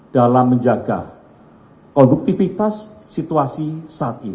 dalam menjaga produktivitas situasi saat ini